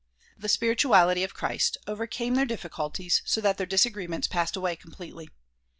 The spirituality of Christ overcame their difficulties so that their disagreements passed away completely.